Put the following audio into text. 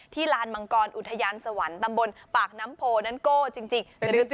ลานมังกรอุทยานสวรรค์ตำบลปากน้ำโพนั้นโก้จริง